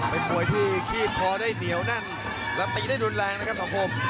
เป็นมวยที่คีบคอได้เหนียวแน่นและตีได้รุนแรงนะครับสังคม